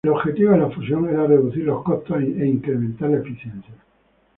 El objetivo de la fusión era reducir los costos e incrementar la eficiencia.